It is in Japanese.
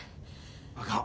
あかん。